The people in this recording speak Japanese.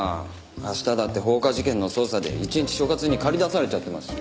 明日だって放火事件の捜査で一日所轄に駆り出されちゃってますし。